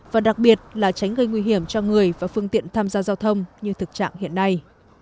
và đặc biệt là tránh gây nguy hiểm cho người và phương tiện tham gia giao thông như thực trạng hiện nay